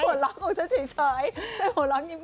หัวเล่าของฉันเฉยแต่หัวเล่านิ่ม